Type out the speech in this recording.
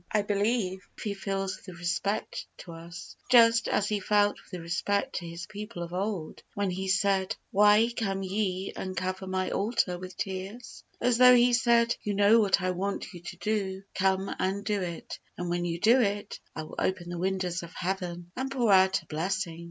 I believe He feels with respect to us, just as He felt with respect to His people of old, when He said, "Why come ye and cover my altar with tears?" As though He said, "You know what I want you to do; come and do it; and, when you do it, I will open the windows of Heaven and pour out a blessing."